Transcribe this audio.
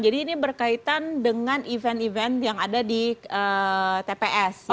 jadi ini berkaitan dengan event event yang ada di tps